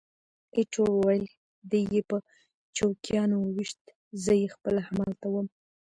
ایټور وویل: دی یې په چوکیانو وویشت، زه خپله همالته وم.